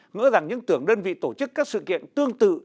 ngỡ rằng những tưởng đơn vị tổ chức các sự kiện tương tự